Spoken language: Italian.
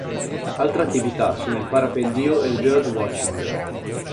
Altre attività sono il parapendio e il bird-watching.